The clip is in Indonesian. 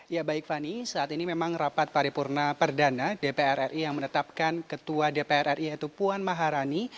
ya baik fani saat ini memang rapat paripurna perdana dpr ri yang menetapkan ketua dpr ri yaitu puan maharani